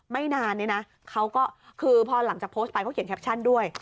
ไม่นานเนี่ยนะเขาก็คือพอหลังจากโพสต์ไปเขาเขียนแคปชั่นด้วย